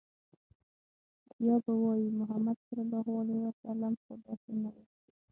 بيا به وايي، محمد ص خو داسې نه و